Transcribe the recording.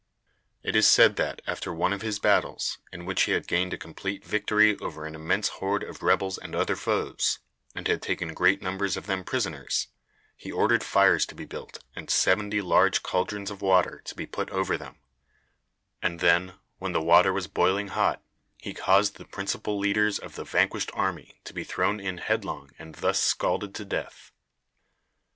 It is said that after one of his battles, in which he had gained a complete victory over an immense horde of rebels and other foes, and had taken great numbers of them prisoners, he ordered fires to be built and seventy large caldrons of water to be put over them, and then, when the water was boiling hot, he caused the principal leaders of the vanquished army to be thrown in headlong and thus scalded to death.